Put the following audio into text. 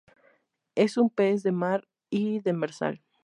Es un pez de Mar y demersal.